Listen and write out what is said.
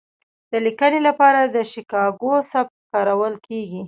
د لیکنې لپاره د شیکاګو سبک کارول کیږي.